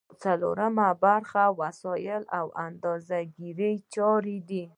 څلورمه برخه وسایل او د اندازه ګیری چارې دي.